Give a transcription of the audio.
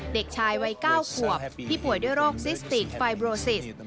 เด็กชายวัย๙ขวบที่ป่วยด้วยโรคซิสติกไฟโรซิส